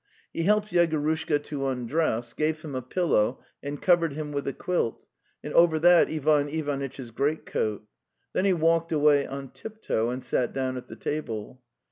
He helped Yegorushka to undress, gave him a pillow and covered him with a quilt, and over that Ivan Ivanitch's great coat. Then he walked away on tiptoe and sat down to the table.